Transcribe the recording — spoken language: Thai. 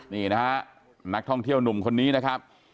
นี่นะฮะนักท่องเที่ยวหนุ่มคนนี้นะครับ